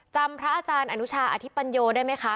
พระอาจารย์อนุชาอธิปัญโยได้ไหมคะ